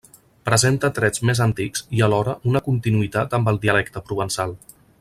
Presenta trets més antics i alhora una continuïtat amb el dialecte provençal.